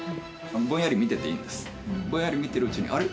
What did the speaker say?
ぼんやり見てていいんですぼんやり見てるうちにあれ？